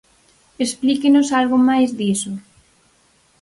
Explíquenos algo máis diso.